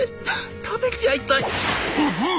食べちゃいたいグフッ」。